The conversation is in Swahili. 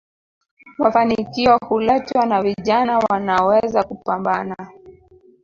mafanikio huletwa na vijana wanaoweza kupambana